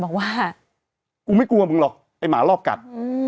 บอกว่ากูไม่กลัวมึงหรอกไอ้หมารอบกัด